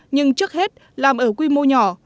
nhưng trước hết làm ở quy mô nhỏ